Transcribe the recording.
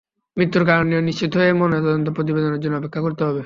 মৃত্যুর কারণ নিয়ে নিশ্চিত হতে ময়নাতদন্ত প্রতিবেদনের জন্য অপেক্ষা করতে হবে।